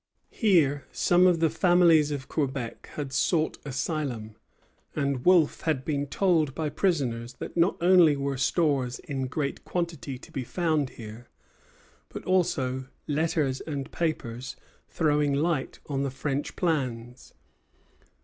Here some of the families of Quebec had sought asylum; and Wolfe had been told by prisoners that not only were stores in great quantity to be found here, but also letters and papers throwing light on the French plans.